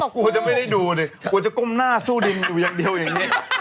กูจะไม่ได้ดูด้วยกูจะก้มหน้าสู้ดิงอย่างเดียวอย่างนี้